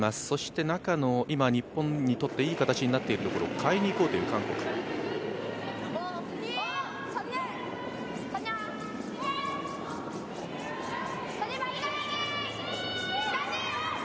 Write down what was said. そして中の今、日本にとっていい形になっているところを変えにいこうという韓国です。